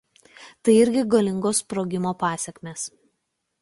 Tai irgi galingo sprogimo pasekmės.